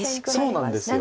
そうなんですよ。